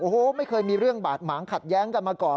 โอ้โหไม่เคยมีเรื่องบาดหมางขัดแย้งกันมาก่อน